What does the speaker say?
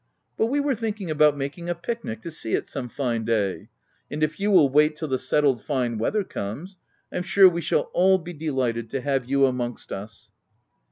But we were thinking about making a pic nic to see it, some fine day ; and, if you will wait till the settled fine weather comes, I'm sure we shall all be delighted to have you amongst us."